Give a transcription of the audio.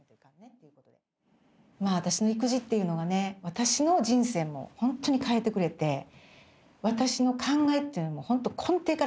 まあ私の育児っていうのはね私の人生もほんとに変えてくれて私の考えっていうのもほんと根底から変えてくれた。